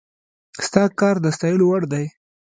ستا کار د ستايلو وړ دی